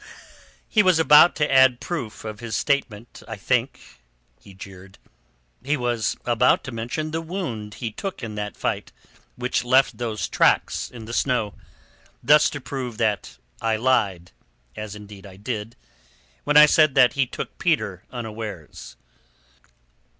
"He was about to add proof of his statement, I think," he jeered. "He was about to mention the wound he took in that fight, which left those tracks in the snow, thus to prove that I lied—as indeed I did—when I said that he took Peter unawares.